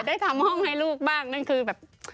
ได้ทำห้องให้ลูกบ้างนั่นคือแบบ